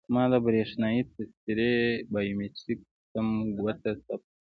ما د بریښنایي تذکیرې بایومتریک سیستم ګوته ثبت کړه.